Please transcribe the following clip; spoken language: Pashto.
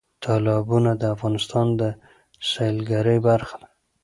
تالابونه د افغانستان د سیلګرۍ برخه ده.